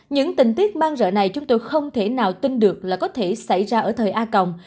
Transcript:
những tình tiết mang rỡ này chúng tôi không thể nào tin được là có thể xảy ra ở thời a cộng